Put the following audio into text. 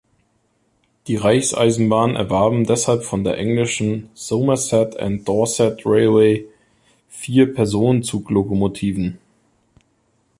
Die Reichseisenbahnen erwarben deshalb von der englischen Somerset and Dorset Railway vier Personenzuglokomotiven.